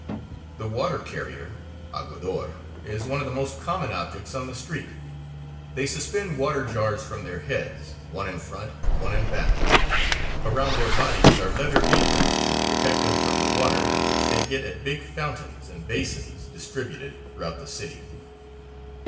The water carrier, aguador, is one of the most common objects on the street. They suspend water jars from their heads, one in front, one back. Around their bodies are leather aprons to protect them from the water, which they get at big fountains and basins distributed throughout the city.